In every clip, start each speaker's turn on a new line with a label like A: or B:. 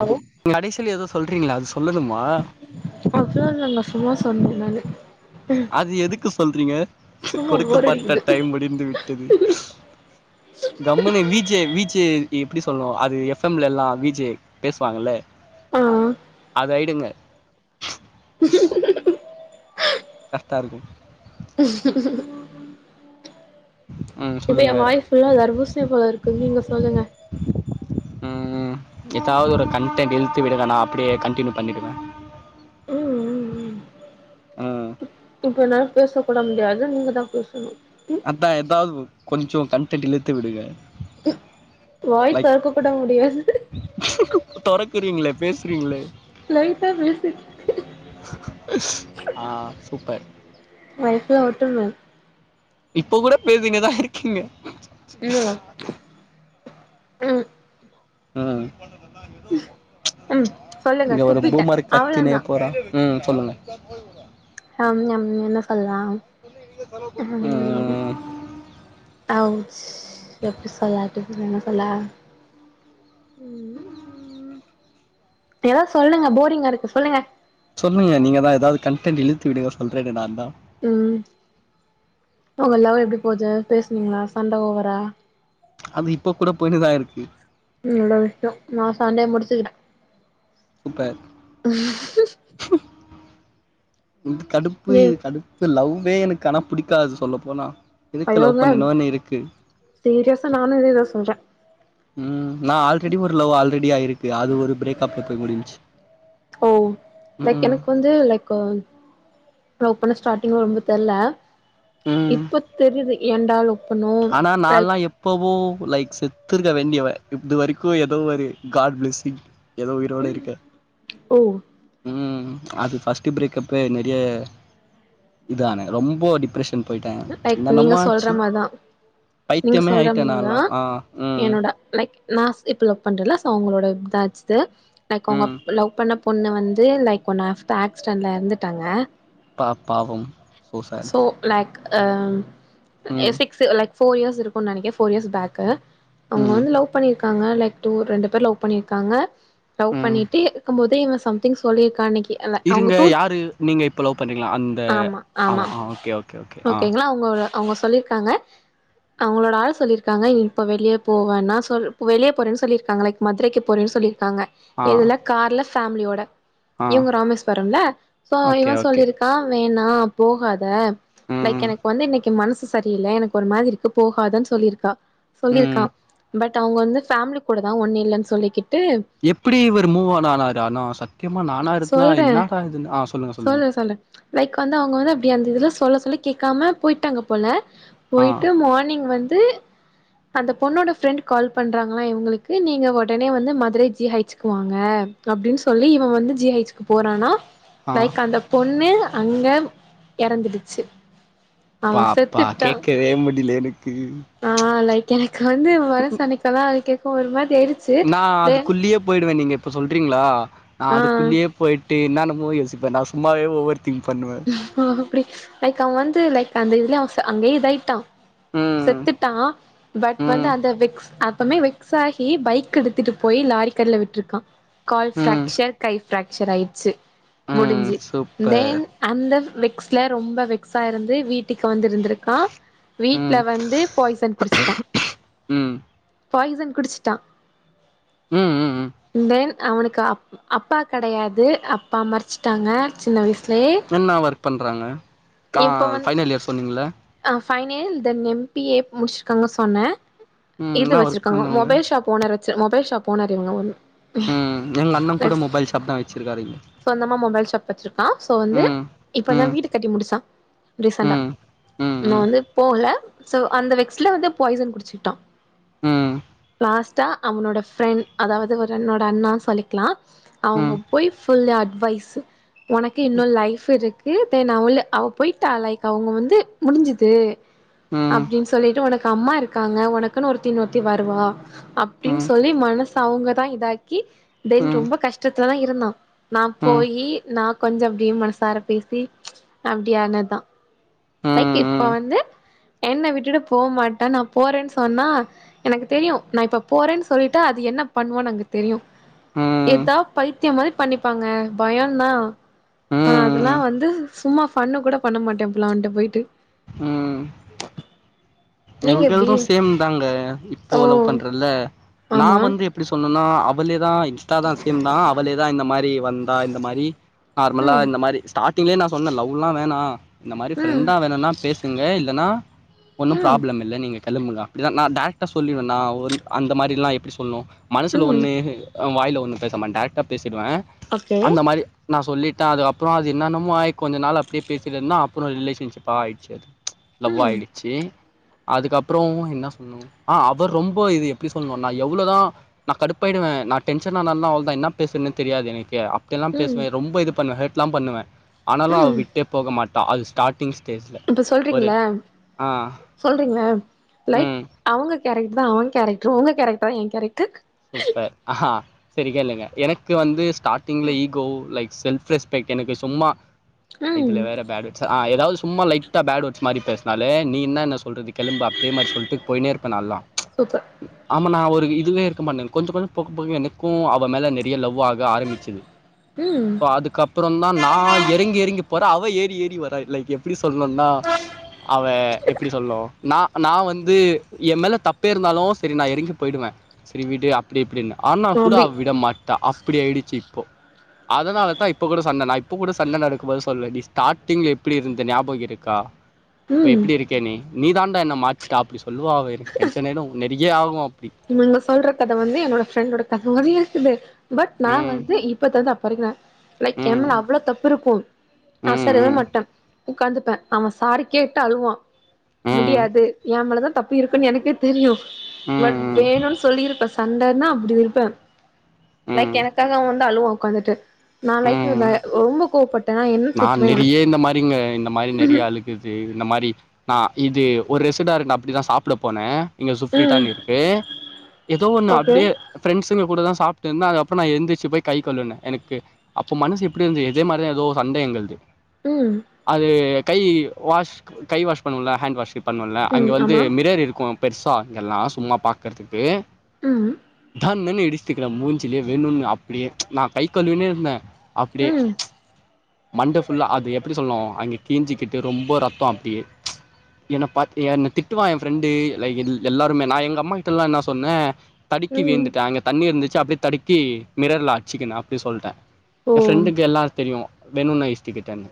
A: hello
B: கடைசில எதோ சொல்றீங்கள அது சொல்லனுமா
A: ஆக்ச்சுலா அத நாங்க சும்மா சொன்னே நான்னு
B: அது எதுக்கு சொல்றீங்க
A: சும்மா போர்
B: கொடுக்கப்பட்ட
A: அடிக்குது
B: டைம் முடிந்து விட்டது கம்முனு வீ ஜே வீ ஜே எப்டி சொல்லுவா அது எஃப் எம் ல்லலா வீ ஜே பேசுவாங்கல
A: ஆ
B: அது ஆயிடுங்க கஸ்தாருக்கு ம்
A: இப்ப
B: சொல்லுங்க
A: எ
B: வேற
A: வாய் ஃபுல்லா தர்பூசணி பழ இருக்கு நீங்க சொல்லுங்க
B: ம் எதாவது ஒரு கண்டென்ட் இழ்த்துவிடுங்க நா அப்பிடியே கன்ட்டினியூ பண்ணிடுவே
A: ம் ம் ம்
B: ம்
A: இப்ப என்னால பேச கூட முடியாது நீங்க தா பேசணு ம்
B: அதா எதாவு கொஞ்சோ கண்ட்டென்ட் இழுத்து விடுங்க
A: வாய் தெறக்க கூட முடியாது
B: தொறக்குறீங்ளே பேசுறீங்ளே
A: லைட்டா பேசிட்
B: ஆ சூப்பர்
A: லைஃபுல்லா ஓட்டுங்க
B: இப்ப கூட பேசினின்னு தா இருக்கீங்க
A: இல்லங்க
B: அ
A: ம் சொல்லுங்க
B: இங்க ஒரு
A: துப்பிட்டே
B: பூமரு கத்தினே
A: அவ்ளோதா
B: போறா ம் சொல்லுங்க
A: அம்ஞம் என்ன சொல்லா ம் அவ்ச் எப்டி சொல்ல அட்டு என்ன சொல்ல எதாவ் சொல்லுங்க போரிங்கா இருக்கு சொல்லுங்க
B: சொன்னுங்க நீங்கதா எதாவ் கண்டடெட் இழுத்து விடுங்க சொல்றேன்னு நான் தா
A: ம் உங்க லவ் எப்டி போது பேசுனீங்களா சண்ட ஓவரா
B: அது இப்ப கூட போய்னுதா இருக்கு
A: ம் நல்ல விஷ்யோ நா சண்டைய முடிச்சிக்கிற
B: சூப்பர் இது கடுப்பு
A: ஏ
B: இது கடுப் பு லவ்வே எனக் ஆனா புடிக்காது சொல்லப்போனா எதுக்கு லவ்
A: ஐயோங்க
B: பண்ணனோன் இருக்கு
A: சீரியஸா நானு இதே தா செஞ்ச
B: ம் நா ஆல்ரெடி ஒரு லவ் ஆல்ரெடி ஆயிருக்கு அது ஒரு பிரேக் அப்ல போய் முடிஞ்ச்சி
A: ஓ லைக் எனக்கு ம் லைக்கு லவ் பண்ண ஸ்டார்டிங்ல ரொம்ப தெர்ல
B: ம்
A: இப்ப தெரிது ஏன்டா லவ் பண்ணோ
B: ஆனா
A: லைக்
B: நான்லா எப் எப்பவோ லைக் செத்துருக்க வேண்டியவ இது வரைக்கு எதோ ஒரு காட் ப்ளஸ்ஸிங் எதோ உயிரோட இருக்க
A: ஓ
B: ம் அது ஃபர்ஸ்ட்டு பிரேக்கப்பு நெறைய இது ஆனா ரொம்ப டிப்ரெஷ் ன் போயிட்டா
A: லைக் நீங்க
B: என்னன்னமோ
A: சொல்ற
B: ஆச்சு
A: மாரிதா நீங்க
B: பைத்தியமே
A: சொல்ற
B: ஆயிட்ட நான்
A: மாரிதா
B: லா அ ம்
A: என்னோட லைக் நா இப்ப லவ் பண்றல சோ அவுங்ளோட இதாச்சுது லைக் அவுங்க
B: ம்
A: லவ் பண்ண ஒன்னு வந்து லைக் ஒன்னு ஹஃப் தா ஆக்ஸ்டென்ல எறந்துட்டாங்க
B: பா பாவம் சோ சேட்
A: லைக் ம்
B: ம்
A: எசிக்ஸ்சு லைக் ஃபோர் இயர்ஸ் இருக்குன் நெனைக்கே ஃபோர் இயர்ஸ் பேக்கு அவங்க
B: ம்
A: வந்து லவ் பண்ணிருக்காங்க லைக் டூ ரெண்டு பேர் லவ் பண்ணிருக்காங்க லவ்
B: ம்
A: பண்ணிட்டு இருக்கும் போதே இவன் சம்திங் சொல்லியிருக்கான் அன்னைக்கி
B: இருங்க யாரு நீங்க இப்போ லவ் பண்றீங்ளே அந்த ஆமா ஆ ஓகே ஓக்
A: ஓகேங்ளா அவங்க அவங்க சொல்லிருக்காங்க அவங்களோட ஆள் சொல்லிருக்காங்க இப்ப வெளியே போவேன்னா சொ இப்ப வெளியே போறேன்னு சொல்லிருக்காங்க லைக் மதுரைக்கு போறேன் சொல்லியிருக்காங்க
B: ஆ
A: எதுல கார்ல ஃபேமிலியோட
B: ஆ
A: இவுங்க ராமேஸ்வரம்ல சோ
B: ஓகே
A: இவ
B: ஓகே
A: சொல்லியிருக் கா வேணா போகாத லைக்
B: ம்
A: எனக்கு வந்து இன்னைக்கு மனசு சரியில்ல எனக்கு ஒரு மாதிரி இருக்கு போகாதன் சொல்லியிருக்கா
B: ம்
A: சொல்லியிருக்கா பட் அவங்க வந்து ஃபேமிலி கூட தா ஒண்ணு இல்லன் சொல்லிக்கிட்டு
B: எப்பிடி இவர் மூவான் ஆனாரு ஆனா சத்தியமா நானா இருந்தா
A: சொல்றே
B: என்னாடா இதுன்னு ஆ சொல்லுங்க சொல்லுங்க
A: சொல்றே சொல்றே லைக் வந்து அவங்க வந்து அப்டி அந்த இதுல சொல்ல சொல்ல கேக்காம போயிட்டாங்க போல
B: ஆ
A: போய்ட்டு மார்னிங் வந்து அந்த பொண்ணோட ஃப்ரெண்ட்டு கால் பண்றாங்களா இவுங்குளுக்கு நீங்க ஒடனே வந்து மதுரை ஜி ஹைச்க்கு வாங்க அப்டின் சொல்லி இவ வந்து ஜி ஐச்க்கு போறானா
B: ஆ
A: லைக் அந்த பொண்ணே அங்க எறந்துடுச்சு
B: பாப்பா கேக்கவே முடில எனக்கு
A: ஆ லைக் எனக்கு வந்து மனசு அன்னிக்கலா அது கேக்கோ ஒரு மாதிரி ஆய்ச்
B: நா அதுக்குள்ளயே போய்டுவ நீங்க இப்ப சொல்றீங்ளா நா
A: ஆ
B: அதுக்குள்ளயே போயிட்டு என்னன்னமோ யோசிப்ப நா சும்மாவே ஓவர் திங்க் பண்ணுவ
A: ஆ அப்டி லைக் அவ வந்து லைக் அந்த இதுலய அவ அங்கயே இதாயிட்டா
B: ம்
A: செத்துட்டா பட் வந்து
B: ம்
A: அந்த வெக்ஸ் அப்பமே வெக் ஸ் ஆகி பைக் எடுத்துட்டு போய் லாரிக்கடில விட்ருக்கான் கால்
B: ம்
A: ஃபிராக்சர் கை ஃபிராக்சர் ஆயிச்சு
B: ம்
A: முடிஞ்சு
B: சூப்பர்
A: தென் அந்த வெக்ஸ்ல ரொம்ப வெக்ஸா இருந்து வீட்டுக்கு வந்து இருந்திருக்கா வீட்ல
B: ம்
A: வந்து பாய்சன் குடிஷ்ச்ட்டா
B: ம்
A: பாய்சன் குடிச்சிட்டா
B: ம் ம் ம்
A: தென் அவனுக்கு அ அப்பா கெடையாது அப்பா மறைச்சிட்டாங்க சின்ன வயசுலயே
B: என்ன ஒர்க் பண்ணுறாங்க கா ஃபைனல் இயர் சொன்னீங்கள
A: fine then M B A முடிச்சிருக்காங்க சொன்னே
B: ம்
A: இது
B: என்ன ஒர்க்
A: வச்சிருக்காங்க
B: பண்ணாங்க
A: மொபைல் ஷாப் ஓனர் வெச் மொபைல் ஷாப் ஓனர் இவங்க ஒன்னு
B: ம் எங்க அண்ண கூட மொபைல் ஷாப் தா வச்சுருக்காரு இங்க
A: சொந்தமா மொபைல்ஷாப் வச்சிருக்கா ஸோ வந்து
B: ம்
A: இப்போ தா
B: ம்
A: வீடு கட்டி முடிச்சா ரீசண்ட்டா
B: ம் ம்
A: நா
B: ம்
A: வந்து போகல சோ அந்த வெக்ஸல வந்து பாய்சன் குடிச்சிட்டா
B: ம்
A: லாஸ்ட்டா அவனோட பிரெண்ட் அதாவது ஒரு என்னோட அண்ணா சொல்லிக்கலா அவங்க
B: ம்
A: போய் ஃபுல் அட்வைஸ் உனக்கு இன்னு லைஃப் இருக்கு தென் அவ அவள் போய்டா லைக் அவங்க வந்து முடிஞ்சுது
B: ம்
A: அப்டின்னு சொல்லிட்டு உனக்கு அம்மா இருக்காங்க உனக்குன்னு ஒருத்தி இன்னொருத்தி வருவா அப்டின்னு
B: ம்
A: சொல்லி மனசு அவங்க தா இதாக்கி
B: ம்
A: தென்
B: ம்
A: ரொம்ப கஷ்டத்துலதா இருந்தா நா
B: ம்
A: போயி நா கொஞ்சோ அப்டியே மனசார பேசி அப்டியானதா
B: ம்
A: லைக் இப்ப
B: ம்
A: வந்து என்ன விட்டுட்டு போ மாட்ட நா போறேன்னு சொன்னா எனக்கு தெரியு நா இப்ப போறேன்னு சொல்லிட்டா அது என்ன பண்ணுவோனு எனக்கு தெரியு ஏதா பைத்தியம் மாதிரி பண்ணிப்பாங்க பயம் தா ஆ அதெல்லா
B: ம்
A: வந்து சும்மா ஃபண்ணு கூட பண்ண மாட்டே அப்டிலா அவன்ட போய் ட்டு
B: எங்கள்தூ சேம் தாங்க இப்போ லவ்
A: ஓ
B: பண்ற இல்ல நா
A: ஆமா
B: வந்து எப்டி சொன்னேன்னா ‌அவளே தா இன்ஸ்ட்டா தா சேம் தா அவளே தா இந்த மாரி வந்தா இந்த மாரி நார்மலா
A: ம்
B: இந்த மாரி ஸ்ட்டாட் ங்கே நா சொன்ன லவ்லா வேனா இந்த மாரி
A: ம்
B: ஃப்ரெண்டா வேணுண்ணா பேசுங்க இல்லன்னா
A: ம்
B: ப்ராப்ளமிள்ளா நீங்க கெளம்புங்க அப்டிதா நா டெரக்டா சொல்லிடுவே நா ஒர் அந்தமாரில்லா எப்டி சொல்ணு மனசுல
A: ம்
B: ஒன்னு வாயில ஒன்னு பேசமாட்ட டரக்டா பேசிடுவ
A: ஓகே
B: அந்த மாரி நா சொல்லிட்ட அதுக்கப்றோ அது என்னன்னமோ ஆயி கொஞ்ச நாள் அப்டியே பேசிட்டே இருந்தே அப்றோ ரிலேஷன்ஷிப்பா ஆயிடுச்சு அது ச் லவ்வா
A: ம்
B: ஆயிடுச்சு அதுக்கப்றோ என்ன சொல்னு ஆ அவர் ரொம்ப இது எப்டி சொல்ணுனா எவ்ளோதா நா கடுப்பாயிடுவ நா டென்ஷன் ஆனானா அவ்ளோதா என்ன பேசுரன்னெ தெரியாது எனக்கே எல்லா
A: ம்
B: பேசுவே ரொம்ப இது பண்ணுவ ஹர்ட் லா பண்ணுவ ஆனாலு அவ
A: ம்
B: விட்டே போக மாட்டா அது ஸ்டாட் டிங் ஸ்டேஜில ஒரு ஆ
A: சொல்றீங்கல லைக்
B: ம்
A: அவுங்க கேரக்டர் தா அவன் கேரக்டரு உங்க கேரக்டர் தா எ கேரக்டர்
B: சூப்பர் ஆஹா சரிக்கேளுங்க எனக்கு வந்து ஸ்டார்ட்டிங்ல ஈகோ லைக் செல்ஃப் ரெஸ் லைக் எனக்கு சும்மா
A: ம்
B: இதுல வேற பாட் சா ஆ ஏதாவது சும்மா லைட்டா பேட் வர்ட்ஸ் மாரி பேசுனாலே நீ என்னன்ன சொல்றதுகு கெளம்பு அப்டெ மாரி சொல்ட்டு போய்னே இருப்ப நால்லா ச்
A: சூப்பர்
B: ஆமா நா ஒரு இதுவே இருக்க மாட்டே கொஞ்சோ கொஞ்சோ பாக்க பாக்க எனக்கு கோவோ அவ மேல நெறைய லவ் ஆ ஆரம்மிச்சது
A: ம்
B: சோ அதுக்கப் அப்றோ தா நா எறங்கி எறங்கி போறே அவ ஏறி ஏறி வர லைக் எப்டி சொல்ணும்னா அவ எப்டி சொல்னு நா நா வந்து எம்மேல தப்பே இருந்தாலு செரி நா எறங்கி போயிடுவே செரி விடு அப்டி இப்டின்னு ஆனா கூட
A: அப்டி
B: அவ விட மாட்டா அப்டி ஆயிடுச்சு இப்போ அதனால தா இப்ப கூட சண்ட நா இப்ப கூட சண்ட நடடுக்கு போது சொல்லுவே ஸ்டார்டிங்ல எப்டி இருந்த ஞாபகோ இருக் கா இப்ப
A: ம்
B: எப்டி இருக்கே நீ நீ தான்டா என்ன மாத்திட்ட அப்டி சொல்லுவா அவ எனக் டென்ஷனாயிடு நறைய ஆவு அப்டி
A: நீங்க சொல்ற கத வந்து என்னோட ஃப்ரெண்டோட கத மாரியே இருக்குது பட் நா
B: ம்
A: வந்து இப்ப தந்து அப்ப இருக்குறே லைக் ஏ
B: ம்
A: மேல அவ்ளோ தப்பு இருக்கு நா
B: ம்
A: அசரவே
B: ம்
A: மாட்டே ஒக்காந்துப்பே அவே சாரி கேட்டு அழுவா
B: ம்
A: முடியாது ஏ மேலதா தப்பு இருக்குனு எனக்கே தெரியு
B: ம்
A: பட்
B: ம்
A: வேணுன் சொல்லிருப்பே சண்டன்னா அப்டி இருப்பே லைக்
B: ம்
A: எனக்காக அவே வந்து அழுவா ஒக்காந்துட்டு நா லைக்
B: ம்
A: வ ரொம்ப கோவப்பட்
B: நா நெறைய இந்த மாரிங்க இந்த மாரி நெறைய ஆளுக் இது இந்த மாரி நா இது ஒரு ரெஸுடாரண்ட்டுக்கு அப்டிதா சாப்ட போனே இங்க
A: ம்
B: சுஃப்ரிட்டான் இருக்கு எதோ ஒன்னு
A: ஓகே
B: அப்டே ஃபிரெண்ட்சுங்க கூட தா சாப்ட்டு இருந்தே அதுக்கப்றோ நா எந்திரிச்சு போய் கை கழுவுன எனக்கு அப்ப மனசு எப்டி இருந்துது இதே மாரி தா எதோ சண்ட எங்களுக்கு
A: ம்
B: அது கை வாஷ் கை வாஷ் பண்ணுவோல ஹேண்ட் வாஷ் பண்ணுவோல
A: ம்
B: அங்கே வந்து
A: ஆமா
B: மிரர் இருக்கு பெருசா இங்கெல்லா சும்மா பாக்கற்துக்கு
A: ம்
B: நா நின்னு இடிச்சுக்குறே மூஞ்சிலே வேணுன்னு அப்டியே நா கை கழுவினே இருந்தே அப்டியே
A: ம்
B: மண்ட ஃபுல்லா அது எப்டி சொல்ணு அங்க கிஞ்சிக்கிட்டு ரொம்ப ரத்தோ அப்டியே என்ன பாத்து என்ன திட்டுவா ஏன் ஃப்ரெண்டு லை இல் எல்லாருமே நா எங்க அம்மா கிட்டலா என்ன சொன்னே தடுக்கி
A: ம்
B: வீந்துட்டே அங்க தண்ணி இருந்துச்சு அப்டியே தடுக்கி மிரர்ல அச்சுக்கின அப்டி சொல்ட்டே
A: ஓ
B: ஏன் ஃப்ரெண்டுக்கு எல்லாரு தெரியு வேணுன் நா இடிச்சி கிட்டேன்னு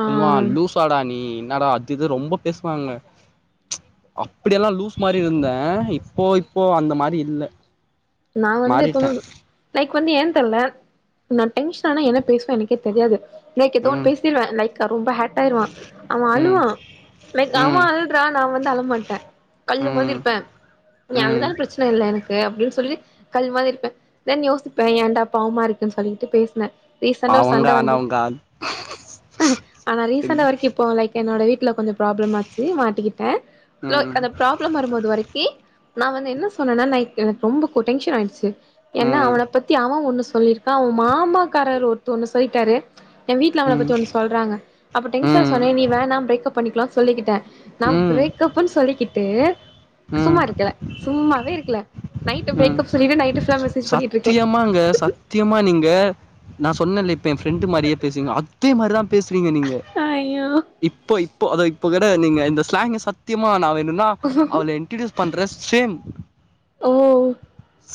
A: ஆ
B: சொல்வா லூசா டா நீ என்னடா அது இது ரொம்ப பேசுவாங்க அப்டியெல்லா லூஸ் மாரி இருந்தே இப்போ இப்போ அந்த மாரி இல்ல
A: நா வந்து எப்புமே
B: மாறிட்டே
A: லைக் வந்து ஏ தெர்ல நா டென்ஷனானா என்ன பேசுவே எனக்கே தெரியாது லைக் எதோ ஒன்னு
B: ம்
A: பேசிருவே லைக்கா ரொம்ப ஹேட் ஆயிருவா அவே
B: ம்
A: அழுவா லைக் அவே
B: ம்
A: அழுட்றா நா வந்து அழ மாட்டே கல்லு மாதி
B: ம்
A: இருப்பே நீ
B: ம்
A: அழுதாலு பிரச்சன இல்ல எனக்கு அப்டின்னு சொல்லி கல் மாதி இருப்பே தென் யோசிப்பே ஏன்டா பாவமா இருக்கன் சொல்லிட்டு பேஸ்னே ரீசண்ட்டா ஒரு
B: பாவங்க
A: சண்ட வந்துது
B: ஆனவங்க
A: அ ஆனா
B: சரி
A: ரீசண்ட்டா வரைக்கு இப்போ லைக் என்னோட வீட்ல கொஞ்சோ ப்ராப்ளம் ஆச்சு மாட்டிக்கிட்டே லோய்
B: ம்
A: அந்த ப்ராப் ப்லம் வரும்போது வரைக்கி நா வந்து என்ன சொன்னன லைக் எனக் ரொம்ப கொ டென்ஷன் ஆய்டுச்சு என்னா
B: ம்
A: அவன பத்தி அவ ஒன்னு சொல்லிருக்கா அவ மாமாக்காரரு ஒருத்தர் ஒன்னு சொல்லிட்டாரு ஏ வீட்ல அவன
B: ம்
A: பத்தி ஒன்னு சொல்றாங்க அப்ப டென்ஷனாயி
B: ம்
A: சொன்னே நீ வேணா பிரேக்ப் பண்ணிக்கலா சொல்லிக்கிட்டே நா
B: ம்
A: பிரேக்ப்பன்னு சொல்லிக்கிட்டு
B: ம்
A: சும்மா இருக்குல சும்மாவே இருக்குல
B: ம்
A: பிரேக்கப் சொல்லிட்டு நைட்டு ஃபுல்லா பண்ணிட்டு இருக்கே
B: சத்தியமாங்க சத்தியமா நீங்க நா சொன்னேலப் ஏ ஃப்ரெண்டு மாரியே பேசுவிங்க அதே மாரிதா பேசுறீங்க நீங்க
A: ஐயோ
B: இப்போ இப்போ அத இப்போ கூட நீங்க இந்த ஸ்லாங்க சத்தியமா நா வேணுனா அவள இன் இன்டிட்யூஸ் பண்றே சேம்
A: ஓ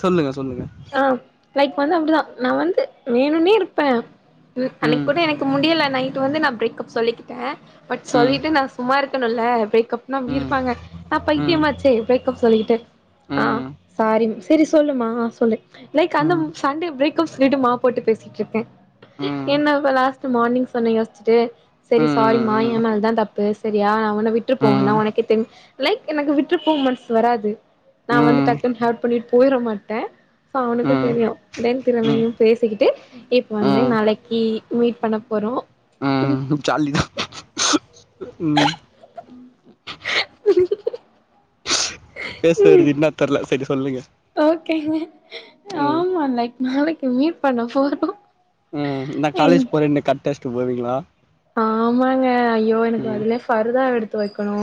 B: சொல்லுங்க சொல்லுங்க
A: ஆ லைக் வந்து அப்டிதா நா வந்து வேணுனே இருப்பே ம் அன்னைக் கூட எனக் கு முடில நைட்டு வந்து நா பிரேக்ப் சொல்லிக்கிட்டே பட்
B: ம்
A: சொல்லிட்டு நா சும்மா இருக்குணுல பிரேக் கப்னா எப்டி
B: ம்
A: இருப்பாங்க நா
B: ம்
A: பைத்தியமாச்சே பிரேக்கப் சொல்லிகிட்டே ஆ
B: ம்
A: சாரி சேரி சொல்லுமா சொல்லு லைக் அந்தம்
B: ம்
A: சண்டே பிரேக் சொல்லிட்டு மா போட்டு பேசிட்ருக்கே
B: ம் ம்
A: என்ன இப்ப லாஸ்ட்டு மார்னிங் சொன்ன யோச்சுட்டு
B: ம்
A: செரி சாரி மா
B: ம் ம்
A: எம் மேல்தா தப் பு செரியா நா ஒன்ன
B: ம்
A: விட்ருப்போன் நா ஒனக்கேத் தெங் லைக் எனக்கு விட்ருப்போ மன்ஸ் வராது நா வந்து டக்குன் ஹர்ட் பண்ணிட் போயிற மாட்டே சொ அவனுக்குத்
B: ம்
A: தெரியு தென் திறமையும் பேசிக்கிட்டு இப்போ வந்து
B: ம்
A: நாளக்கி மீட் பண்ண போறோ
B: ம் ஜாலித ம்
A: ம்
B: பேசற்து இன்னாத் தெர்ல செரி சொல்லுங்க
A: ஓகேங்க
B: ம்
A: ஆமா லைக் நாளக்கி மீட் பண்ண போறோ
B: ம் நா
A: ம்
B: காலேஜ் போறன்னு கட்டச்டு போவீங்ளா
A: ஆமாங்க ஐயோ எனக்கு அதுலே ஃபருதாவ எடுத்து வெக்கணு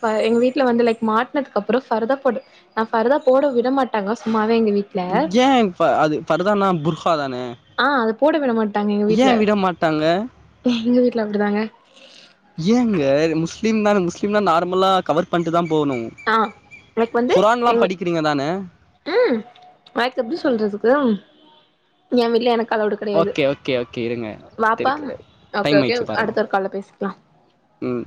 A: ப்ப எங்க வீட்ல வந்து லைக் மாட்னதுக் அப்றோ ஃபருதாப் போடு நா ஃபருதா போட விடமாட்டாங்க சும்மாவே எங்க வீட்
B: ஏ ஃப அது ஃபர்தானா ஃபுர்ஹா தானே
A: ஆ அத போட விட மாட்டாங்க எங்க
B: ஏ
A: வீட்ல
B: விட மாட்டாங்க
A: எங்க வீட்ல அப்டிதாங்க
B: ஏங்க முஸ்லீம்தான முஸ்லீம்லா நார்மலா கவர் பண்ட்டுதாம் போவுணு
A: ஆ லைக் வந்து
B: குரான்லா
A: எங்க
B: படிக்றீங்கதானே
A: ம் லைக் எப்டி சொல்றதுக்கு எ வீட்ல எனக் கலவுடு கெடையாது
B: ஓகே ஓகே ஓகே இருங்க
A: வாப்பா
B: இருக்கு
A: ஒகே
B: டைம்
A: ஒகே
B: ஆயிடுச்சு பாருங்க
A: அடுத்த ஒரு கால்ல பேசிக்லா
B: ம்